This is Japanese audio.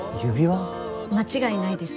間違いないです。